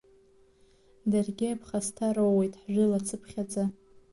Даргьы аԥхасҭа роуеит ҳжәылацԥхьаӡа.